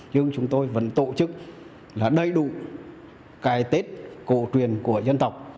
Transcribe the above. nhưng chúng tôi vẫn tổ chức là đầy đủ cái tết cổ truyền của dân tộc